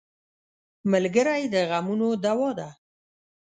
ملګری د غمونو دوا ده.